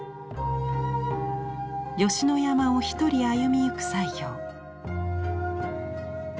吉野山を一人歩みゆく西行。